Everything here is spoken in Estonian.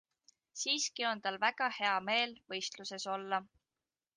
Siiski on tal väga hea meel võistluses olla.